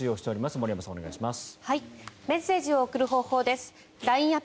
森山さん、お願いします。